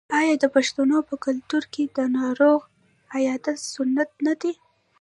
آیا د پښتنو په کلتور کې د ناروغ عیادت سنت نه دی؟